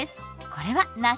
これは梨。